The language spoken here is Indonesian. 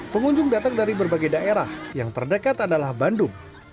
pengunjung datang dari berbagai daerah yang terdekat adalah bandung